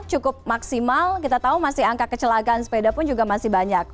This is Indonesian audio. cukup maksimal kita tahu masih angka kecelakaan sepeda pun juga masih banyak